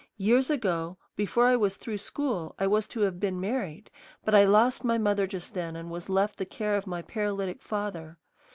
Years ago, before I was through school, I was to have been married; but I lost my mother just then and was left the care of my paralytic father.